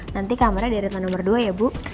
nanti kamarnya di ritwan nomor dua ya bu